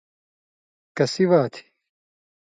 ”کسی وات“